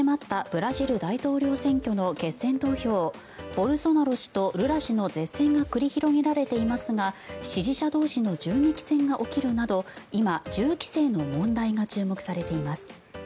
ボルソナロ氏とルラ氏の舌戦が繰り広げられていますが支持者同士の銃撃戦が起きるなど今、銃規制の問題が注目されています。